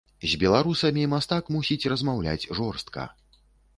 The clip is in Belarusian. З беларусамі мастак мусіць размаўляць жорстка.